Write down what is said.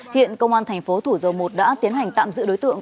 hiện công an thành phố thủ dầu một đã tiến hành tạm giữ đối tượng